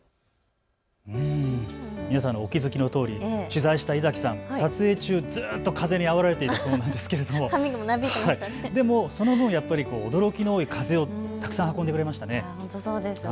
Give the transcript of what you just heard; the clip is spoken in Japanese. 皆さんお気付きのとおり取材した猪崎さん、撮影中ずっと風にあおられたいそうなんですけれどでもその分、驚きの多い風をたくさん運んでくれましたね。